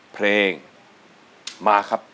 เพลงมาครับ